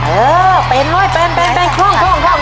เออเป็นเลยเป็นเป็นคล่องคล่องคล่อง